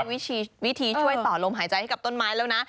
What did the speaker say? เดี๋ยวนี้ก็มีวิธีช่วยต่อโลมหายใจให้กับต้นไม้แล้ว